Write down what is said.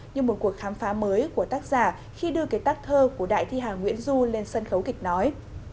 như một cuộc khám phá mới của tác giả khi đưa cái tác thơ của đại thi hà nguyễn du lên sân khấu kịch nói